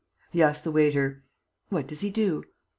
He asked the waiter: "What does he do?"